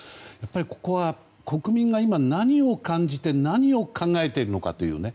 ここは、国民が今何を感じて何を考えているのかというね。